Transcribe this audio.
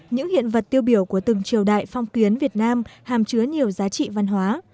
những hiện vật tiêu biểu của từng triều đại phong kiến việt nam hàm chứa nhiều giá trị văn hóa